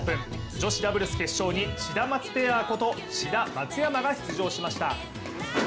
女子ダブルス決勝にシダマツペアこと、志田、松山が出場しました。